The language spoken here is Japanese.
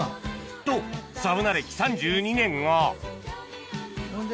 とサウナ歴３２年がほんで？